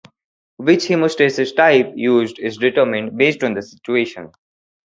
Which hemostasis type used is determined based on the situation.